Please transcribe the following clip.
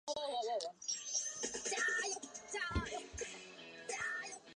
帕尔鲁瓦。